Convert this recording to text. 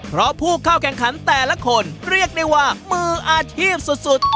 เพราะผู้เข้าแข่งขันแต่ละคนเรียกได้ว่ามืออาชีพสุด